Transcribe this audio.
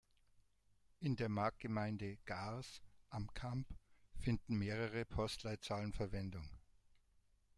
In der Marktgemeinde Gars am Kamp finden mehrere Postleitzahlen Verwendung.